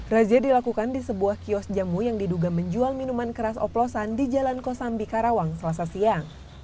razia dilakukan di sebuah kios jamu yang diduga menjual minuman keras oplosan di jalan kosambi karawang selasa siang